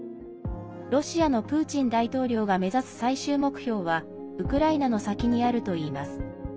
ロシアのプーチン大統領が目指す最終目標はウクライナの先にあるといいます。